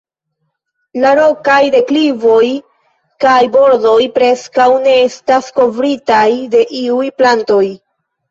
La rokaj deklivoj kaj bordoj preskaŭ ne estas kovritaj de iuj plantoj.